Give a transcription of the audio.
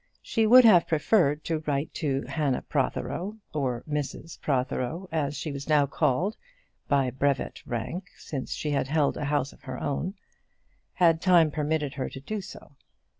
She would have preferred to write to Hannah Protheroe, or Mrs Protheroe, as she was now called by brevet rank since she had held a house of her own, had time permitted her to do so.